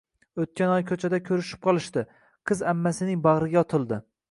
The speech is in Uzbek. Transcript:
O`tgan oy ko`chada ko`rishib qolishdi, qiz ammasining bag`riga otildi